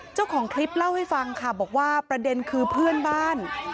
เจ้าของคลิปเล่าให้ฟังค่ะบอกว่าประเด็นคือเพื่อนบ้าน